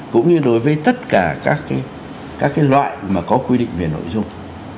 cũng như đối với tất cả các loại mà có quy định về nội dung